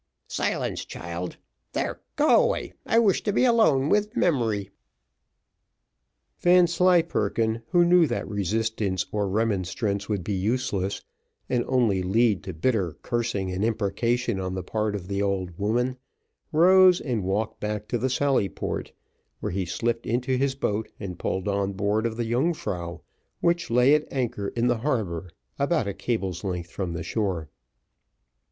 "Silence, child, there, go away I wish to be alone with memory." Vanslyperken, who knew that resistance or remonstrance would be useless, and only lead to bitter cursing and imprecation on the part of the old woman, rose and walked back to the sallyport, where he slipped into his boat and pulled on board of the Yungfrau, which lay at anchor in the harbour, about a cable's length from the shore.